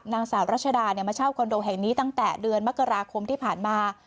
นางสาวรัชดามาเช่าคอนโดแห่งนี้ตั้งแต่เดือนมกราคมที่ผ่านมา